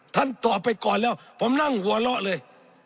ท่านตอบไปก่อนแล้วผมนั่งหัวเราะเลย